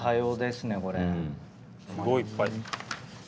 すごいいっぱい。